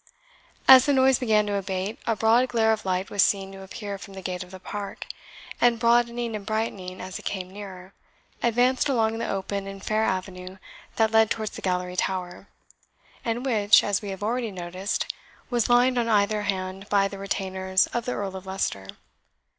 As the noise began to abate, a broad glare of light was seen to appear from the gate of the Park, and broadening and brightening as it came nearer, advanced along the open and fair avenue that led towards the Gallery tower; and which, as we have already noticed, was lined on either hand by the retainers of the Earl of Leicester.